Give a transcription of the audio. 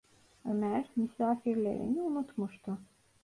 Ömer, misafirlerini unutmuştu: